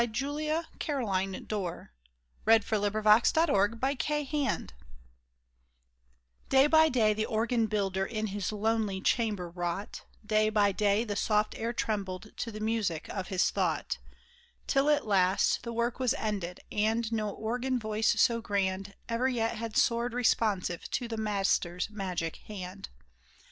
That I care not which is best ! THE LEGEND OF THE ORGAN BUILDER Day by day the Organ Builder in his lonely chamber wrought ; Day by day the soft air trembled to the music of his thought ; Till at last the work was ended, and no organ voice so grand Ever yet had soared responsive to the master's magic hand.